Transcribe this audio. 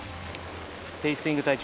テイスティング隊長。